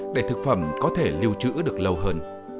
để thực phẩm có thể lưu trữ được lâu hơn